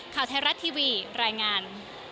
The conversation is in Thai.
ขอบคุณครับ